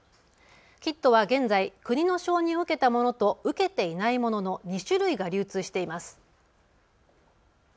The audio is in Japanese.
キットは現在、国の承認を受けたものと受けていないものの２種類が流通しています。